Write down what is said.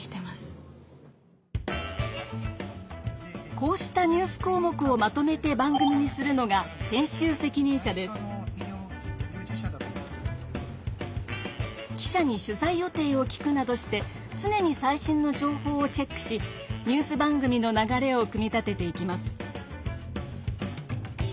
こうしたニュース項目をまとめて番組にするのが記者に取材予定を聞くなどしてつねに最新の情報をチェックしニュース番組の流れを組み立てていきます。